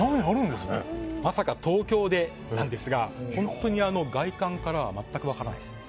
まさか東京で、なんですが外観からは全く分からないです。